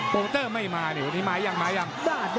โปรเตอร์ไม่มาเนี่ยวันนี้มายังมายัง